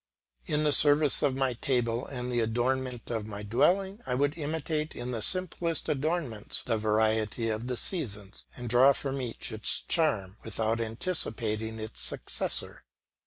In the service of my table and the adornment of my dwelling I would imitate in the simplest ornaments the variety of the seasons, and draw from each its charm without anticipating its successor.